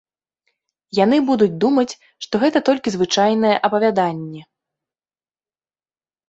Яна будуць думаць, што гэта толькі звычайнае апавяданне.